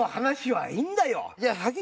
はい。